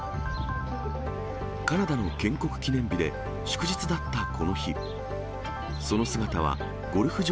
カナダの建国記念日で祝日だったこの日。